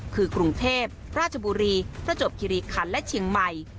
คือกรุงเทพราชบุรีประจวบคิริคันและเชียงใหม่